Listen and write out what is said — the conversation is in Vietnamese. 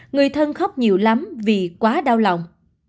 người thân khóc nhiều lắm vì quá đau lòng